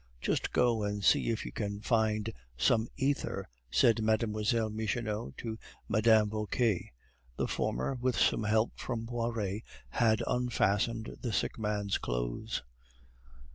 "Just go and see if you can find some ether," said Mlle. Michonneau to Mme. Vauquer; the former, with some help from Poiret, had unfastened the sick man's clothes.